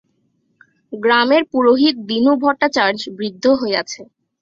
গ্রামের পুরোহিত দীনু ভট্টাচার্য বৃদ্ধ হইয়াছে।